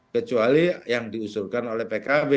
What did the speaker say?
kecuali yang diusulkan oleh pkb